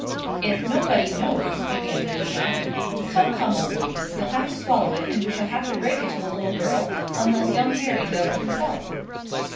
'" "If nobody knows—" began Regina. "Come, come, old lady, you'll have to swallow it, and we shall have to break it to [Pg 117]the little girl, unless young Harry does it himself."